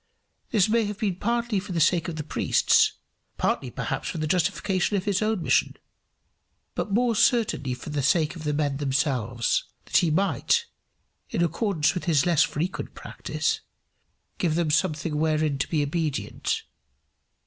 This may have been partly for the sake of the priests, partly perhaps for the justification of his own mission, but more certainly for the sake of the men themselves, that he might, in accordance with his frequent practice, give them something wherein to be obedient.